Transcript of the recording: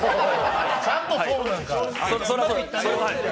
ちゃんとそうなんや。